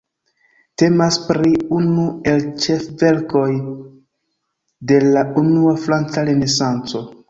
Temas pri unu el ĉefverkoj de la unua franca Renesanco.